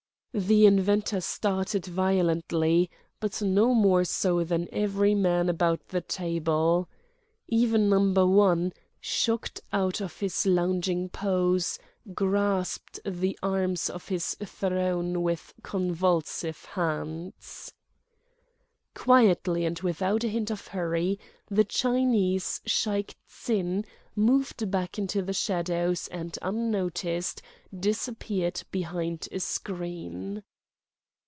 The inventor started violently, but no more so than every man about the table. Even Number One, shocked out of his lounging pose, grasped the arms of his throne with convulsive hands. Quietly and without a hint of hurry, the Chinese, Shaik Tsin, moved back into the shadows and, unnoticed, disappeared behind a screen.